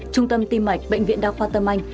trung tâm tim mạch bệnh viện đa khoa tâm anh